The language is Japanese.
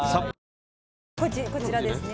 こちらですね。